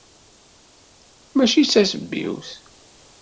Mačči d tasebbiwt.